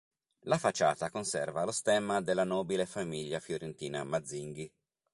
La facciata conserva lo stemma della nobile famiglia fiorentina Mazzinghi.